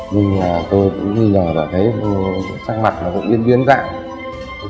nhưng tôi cũng nhìn vào và thấy trang mặt nó cũng biến biến dạng